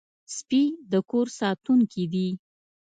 سپي د کور ساتونکي دي.